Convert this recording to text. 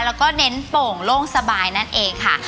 แล้วก็เน้นโป่งโล่งสบายนั่นเองค่ะ